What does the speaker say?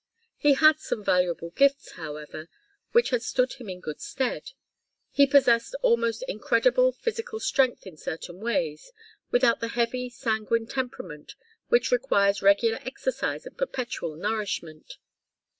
He had some valuable gifts, however, which had stood him in good stead. He possessed almost incredible physical strength in certain ways, without the heavy, sanguine temperament which requires regular exercise and perpetual nourishment.